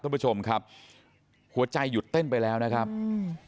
ท่านผู้ชมครับหัวใจหยุดเต้นไปแล้วนะครับอืม